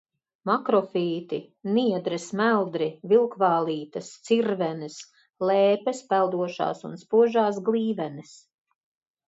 Makrofīti – niedres, meldri, vilkvālītes, cirvenes, lēpes, peldošās un spožās glīvenes.